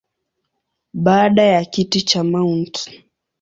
Baada ya kiti cha Mt.